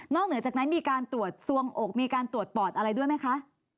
เหนือจากนั้นมีการตรวจสวงอกมีการตรวจปอดอะไรด้วยไหมคะ